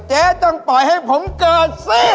เจ๊ต้องปล่อยให้ผมเกิดสิ